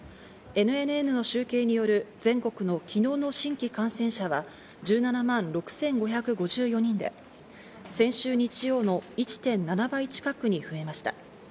ＮＮＮの集計による全国の昨日の新規感染者は１７万６５５４人で、先週日曜の１．７倍近くに増えました。